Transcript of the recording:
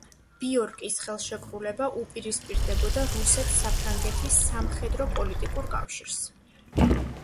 ბიორკის ხელშეკრულება უპირისპირდებოდა რუსეთ-საფრანგეთის სამხედრო პოლიტიკურ კავშირს.